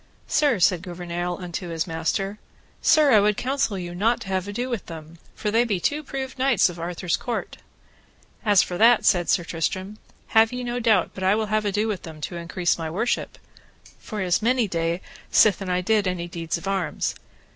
Sir, said Gouvernail unto his master, Sir, I would counsel you not to have ado with them, for they be two proved knights of Arthur's court. As for that, said Sir Tristram, have ye no doubt but I will have ado with them to increase my worship, for it is many day sithen I did any deeds of arms.